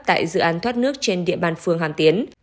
tại dự án thoát nước trên địa bàn phương hàm tiến